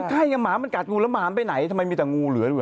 ใช่หมามันกัดงูแล้วหมามันไปไหนทำไมมีแต่งูเหลือด้วย